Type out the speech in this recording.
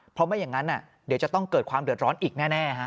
เพราะไม่อย่างนั้นเดี๋ยวจะต้องเกิดความเดือดร้อนอีกแน่